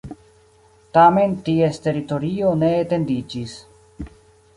Tamen ties teritorio ne etendiĝis.